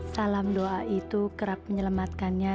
salam doa itu kerap menyelamatkannya